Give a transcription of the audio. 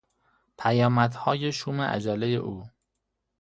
پیامدها شوم عجله او